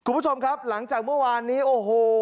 คุณผู้ชมครับหลังจากเมื่อวานนี้โอ้โห